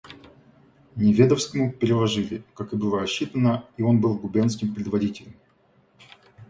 Неведовскому переложили, как и было рассчитано, и он был губернским предводителем.